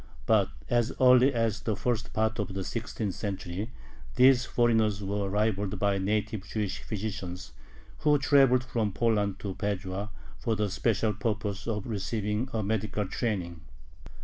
But as early as the first part of the sixteenth century these foreigners were rivaled by native Jewish physicians, who traveled from Poland to Padua for the special purpose of receiving a medical training.